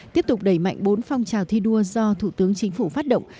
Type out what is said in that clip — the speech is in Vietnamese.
tiếp tục đẩy mạnh bốn phong trào thi đua do thủ tướng chính phủ phát động